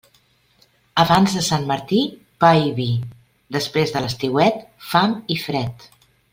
Abans de Sant Martí, pa i vi; després de l'estiuet, fam i fred.